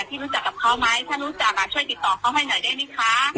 รู้จักกับเขาไหมถ้ารู้จักช่วยติดต่อเขาให้หน่อยได้ไหมคะ